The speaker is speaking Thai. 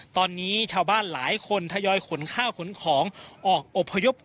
ตอนนี้ชาวบ้านหลายคนทยอยขนข้าวขนของออกอบพยพ